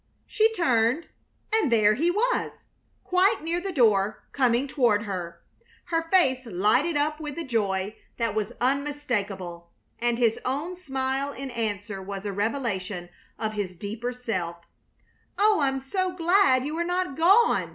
She turned, and there he was, quite near the door, coming toward her. Her face lighted up with a joy that was unmistakable, and his own smile in answer was a revelation of his deeper self. "Oh, I'm so glad you are not gone!"